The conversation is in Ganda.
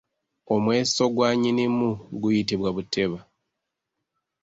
Omweso gwa Nnyinimu guyitibwa buteba.